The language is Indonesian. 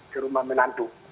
ke rumah minantus